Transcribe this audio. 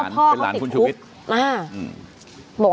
เป็นหลานคุณชุวิต